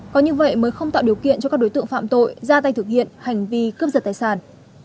có như vậy mới không tạo điều kiện cho các đối tượng phạm tội ra tay thực hiện hành vi cướp giật tài sản